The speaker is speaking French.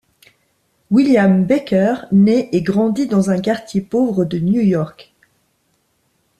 William Baker naît et grandit dans un quartier pauvre de New York.